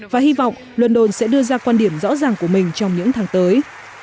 và hy vọng london sẽ đưa ra quan điểm rõ ràng của mình trong những tháng tới